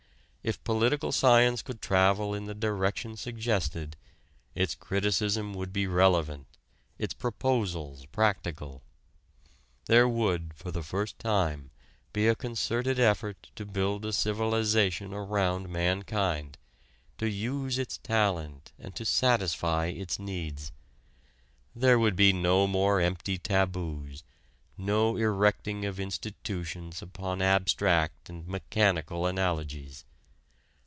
If political science could travel in the direction suggested, its criticism would be relevant, its proposals practical. There would, for the first time, be a concerted effort to build a civilization around mankind, to use its talent and to satisfy its needs. There would be no more empty taboos, no erecting of institutions upon abstract and mechanical analogies.